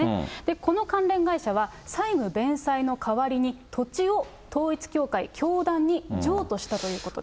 この関連会社は、債務弁済の代わりに、土地を統一教会、教団に譲渡したということです。